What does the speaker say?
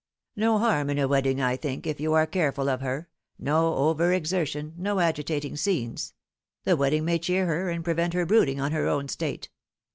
" No harm in a wedding, I think, if you are careful of her : no over exertion, no agitating scenes, The wedding may cheer her, and prevent her brooding on her own state.